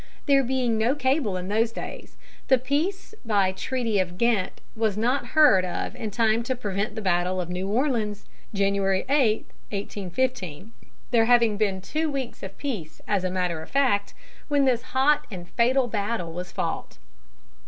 There being no cable in those days, the peace by Treaty of Ghent was not heard of in time to prevent the battle of New Orleans, January 8, 1815, there having been two weeks of peace as a matter of fact when this hot and fatal battle was fought.